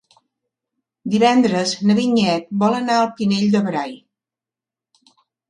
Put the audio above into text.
Divendres na Vinyet vol anar al Pinell de Brai.